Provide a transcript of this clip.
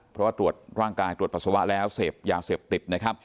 เพราะว่าตรวจร่างกายตรวจปัสสาวะแล้วเสพยาเสพติดนะครับ